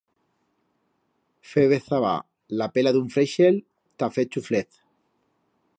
Febe zabar la pela d'un fréixel ta fer chuflez.